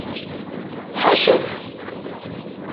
Ḥaca-k!